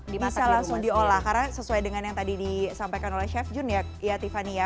bisa langsung diolah karena sesuai dengan yang tadi disampaikan oleh chef jun ya tiffany ya